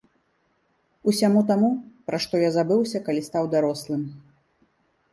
Усяму таму, пра што я забыўся, калі стаў дарослым.